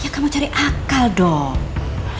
kamu cari akal dong